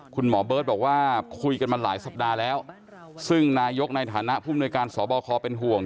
คุณหมอเบิร์ตบอกว่าคุยกันมาหลายสัปดาห์แล้วซึ่งนายกในฐานะผู้มนุยการสบคเป็นห่วง